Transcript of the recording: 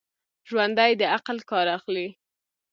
ژوندي د عقل کار اخلي